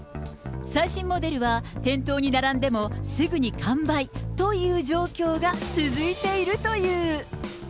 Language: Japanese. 最新モデルは店頭に並んでも、すぐに完売という状況が続いているという。